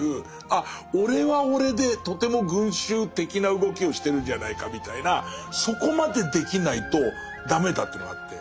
あっ俺は俺でとても群衆的な動きをしてるんじゃないかみたいなそこまでできないとダメだというのがあって。